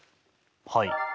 はい。